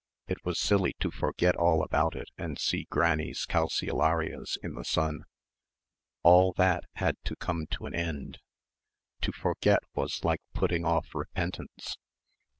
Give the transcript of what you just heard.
It was silly to forget all about it and see Granny's calceolarias in the sun ... all that had to come to an end.... To forget was like putting off repentance.